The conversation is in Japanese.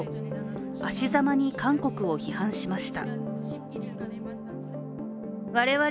あしざまに韓国を批判しました。